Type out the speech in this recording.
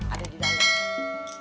ada di dalam